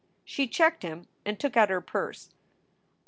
She checked him and took out her purse.